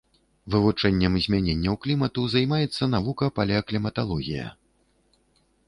Вывучэннем змяненняў клімату займаецца навука палеакліматалогія.